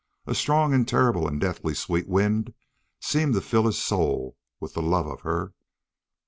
A strong and terrible and deathly sweet wind seemed to fill his soul with the love of her.